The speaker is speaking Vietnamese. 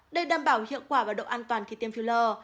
để đảm bảo hiệu quả và độ an toàn khi tiêm filler